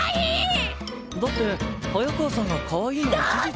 だって早川さんがかわいいのは事実。